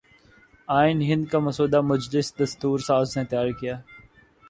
آئین ہند کا مسودہ مجلس دستور ساز نے تیار کیا